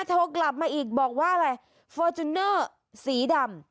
โทรกลับมาอีกบอกว่าอะไรฟอร์จูเนอร์สีดำ